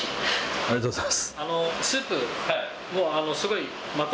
ありがとうございます。